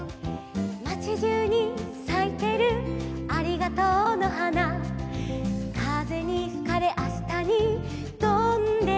「まちじゅうにさいてるありがとうの花」「風にふかれあしたにとんでいく」